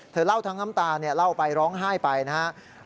เล่าทั้งน้ำตาเล่าไปร้องไห้ไปนะครับ